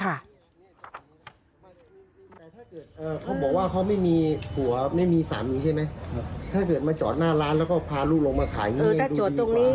เขาบอกว่าเขาไม่มีสามีใช่ไหมถ้าเจอร์มาจอดหน้าร้านแล้วก็พารุลงมาขายได้ยังดูสวยไป